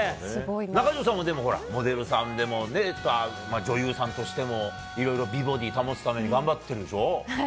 中条さんもモデルさん女優さんとしてもいろいろ、美ボディー保つために頑張ってるでしょ。